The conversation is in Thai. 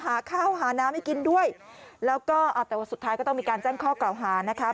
หาข้าวหาน้ำให้กินด้วยแล้วก็อ่าแต่ว่าสุดท้ายก็ต้องมีการแจ้งข้อกล่าวหานะคะ